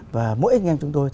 và mỗi anh em chúng tôi